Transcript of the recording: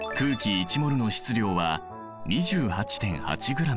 １ｍｏｌの質量は２８．８ｇ。